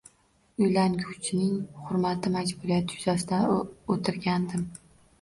Uylanguvchining hurmati majburiyati yuzasidan o`tirgandim